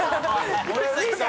森崎さん